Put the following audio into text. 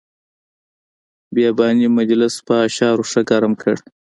بیاباني مجلس په اشعارو ښه ګرم کړ.